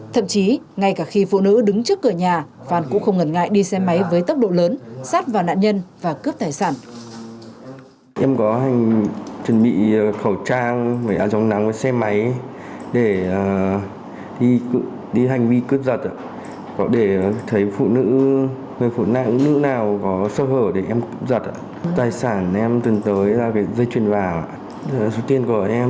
thậm chí ngay cả khi phụ nữ đứng trước cửa nhà phan cũng không ngần ngại đi xe máy với tốc độ lớn sát vào nạn nhân và cướp tài sản